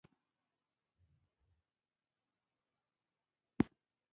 صوفي جرمین یوازې عادي مسایلو په حل بسنه و نه کړه.